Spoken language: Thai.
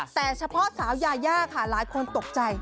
แต่เฉพาะสาวยายาค่ะหลายคนตกใจ